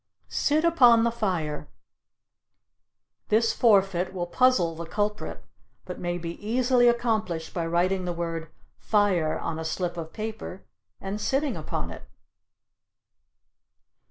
Sit Upon the Fire. This forfeit will puzzle the culprit, but may be easily accomplished by writing the word "fire" on a slip of paper and sitting upon it.